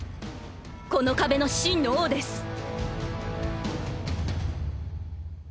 この壁の真の王です。